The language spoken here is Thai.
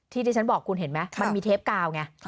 ที่ที่ฉันบอกคุณเห็นไหมมันมีเทปกาวไง